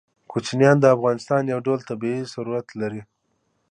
کوچیان د افغانستان یو ډول طبعي ثروت دی.